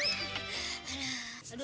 ini dia ini dia